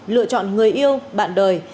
lựa chọn người yêu bạn đời